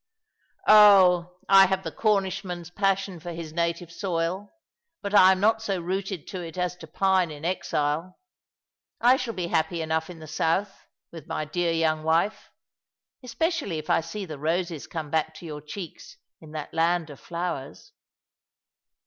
Oh, I have the Cornishman's passion for his native soil ; but I am not so rooted to it as to pine in exile. I shall be happy enough in the South, with my dear young wife ; especially if I see the roses come back to your cheeks in that land of flowers."